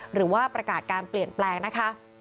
หรือว่าประกาศการเปลี่ยนแปลงนะคะ